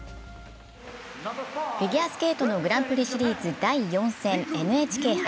フィギュアスケートのグランプリシリーズ第４戦ＮＨＫ杯。